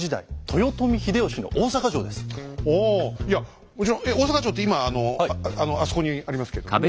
いやもちろん大坂城って今あそこにありますけどもね。